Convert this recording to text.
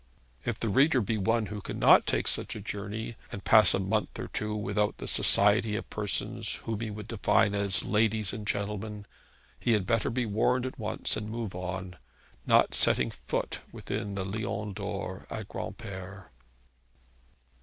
If the reader be one who cannot take such a journey, and pass a month or two without the society of persons whom he would define as ladies and gentlemen, he had better be warned at once, and move on, not setting foot within the Lion d'Or at Granpere.